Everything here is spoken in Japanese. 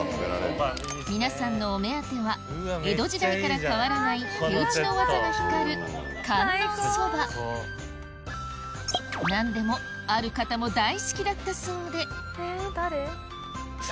皆さんのお目当ては江戸時代から変わらない手打ちの技が光る何でもある方も大好きだったそうで誰？